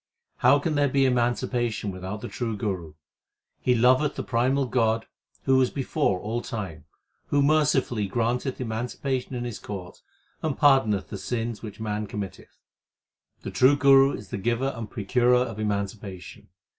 How can there be emancipation without the true Guru ? He loveth the primal God who was before all time, Who mercifully granteth emancipation in His court, and pardoneth the sins which man committeth. The true Guru is the giver and procurer of emancipation.